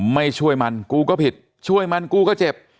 ไม่ช่วยมันกูก็ผิดช่วยมันกูก็เจ็บ